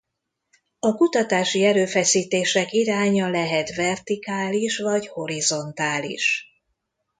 A kutatási erőfeszítések iránya lehet vertikális vagy horizontális.